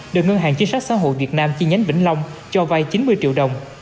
được ngân hàng chính sách xã hội việt nam chi nhánh bình long cho vây chín mươi triệu đồng